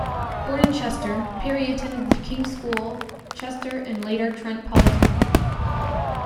Born in Chester, Parry attended The King's School, Chester, and later Trent Polytechnic.